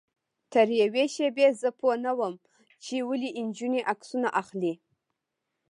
تر یوې شېبې زه پوی نه وم چې ولې نجونې عکسونه اخلي.